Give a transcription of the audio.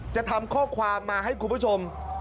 จะทำข้อความมาให้คุณผู้ชม